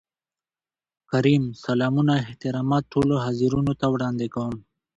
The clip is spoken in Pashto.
کريم : سلامونه احترامات ټولو حاضرينو ته وړاندې کوم.